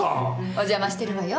お邪魔してるわよ